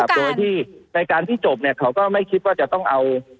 โดยที่ในการที่จบเขาก็ไม่คิดว่าจะต้องเอา